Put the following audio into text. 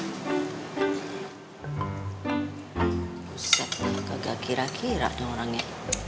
buset kagak kira kira dong orangnya